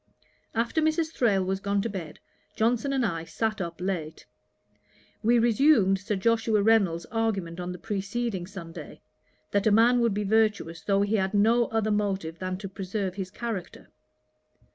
After Mrs. Thrale was gone to bed, Johnson and I sat up late. We resumed Sir Joshua Reynolds's argument on the preceding Sunday, that a man would be virtuous though he had no other motive than to preserve his character.